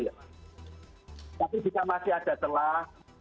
tapi jika masih ada telah